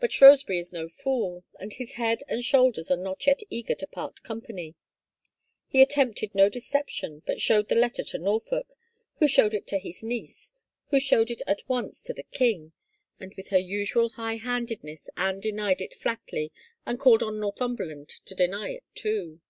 But Shrewsbury is no fool and his head and shoulders are not yet eager to part company. He at tempted no deception but showed the letter to Norfolk, who showed it to his niece, who showed it at once to the king, and with her usual high handedness Anne denied it flatly and called on Northumberland to deny it too.